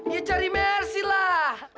ya cari mercy lah